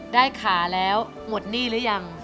ได้ขาแล้วหมดหนี้หรือยัง